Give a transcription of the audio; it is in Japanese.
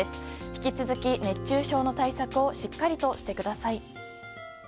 引き続き、熱中症の対策をしっかりとしてください。